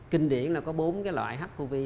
kinh điển là có bốn loại h covid